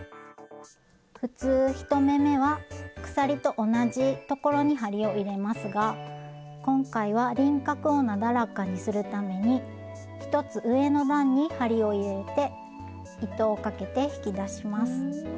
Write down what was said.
普通１目めは鎖と同じところに針を入れますが今回は輪郭をなだらかにするために１つ上の段に針を入れて糸をかけて引き出します。